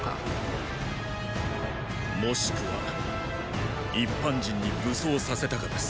もしくは一般人に武装させたかです。